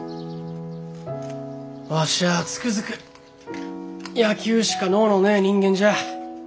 わしゃあつくづく野球しか能のねえ人間じゃ。